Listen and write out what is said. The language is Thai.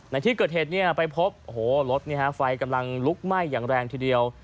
ในที่เกิดเหตุไปพบโอ้โหรถไฟกำลังลุกไหม้อย่างแรงทีเดียว